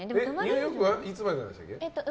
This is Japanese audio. ニューヨークはいつまでですか？